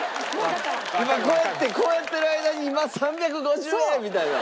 今こうやってこうやってる間に今３５０円！みたいな。